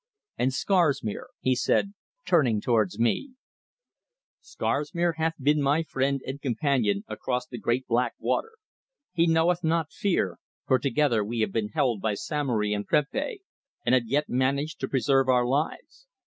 And Scarsmere," he said, turning towards me, "Scarsmere hath been my friend and companion across the great black water; he knoweth not fear, for together we have been held by Samory and Prempeh, and have yet managed to preserve our lives.